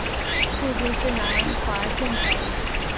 父亲是南华县丞。